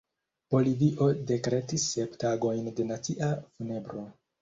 Bolivio dekretis sep tagojn de nacia funebro.